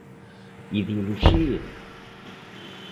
Ideoloxía?